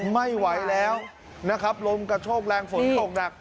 ไม่ไหวแล้วนะครับลมกระโชกแรงฝนตกหนัก